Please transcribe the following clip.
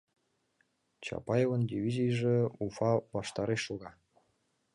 Чапаевын дивизийже Уфа ваштареш шога.